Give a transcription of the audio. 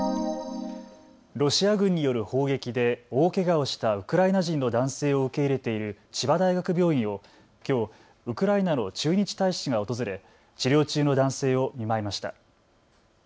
ロシア軍による砲撃で大けがをしたウクライナ人の男性を受け入れている千葉大学病院をきょうウクライナの駐日大使が訪れ治療中の男性を見舞いました。